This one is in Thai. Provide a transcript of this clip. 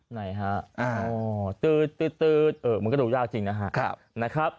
ไหนฮะอ๋อตื๊ดตื๊ดตื๊ดมันก็ดูยากจริงนะฮะ